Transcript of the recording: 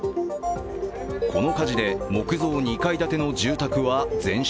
この火事で木造２階建ての住宅は全焼。